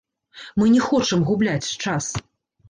Мы не хочам губляць час.